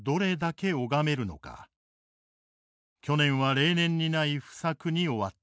去年は例年にない不作に終わった。